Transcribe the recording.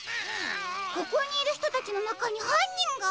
ここにいるひとたちのなかにはんにんが？